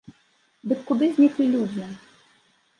Дык куды зніклі людзі?